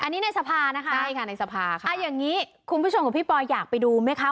อันนี้ในสภานะคะใช่ค่ะในสภาค่ะอ่าอย่างนี้คุณผู้ชมกับพี่ปอยอยากไปดูไหมคะ